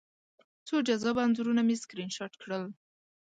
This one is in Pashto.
څو جذابه انځورونه مې سکرین شاټ کړل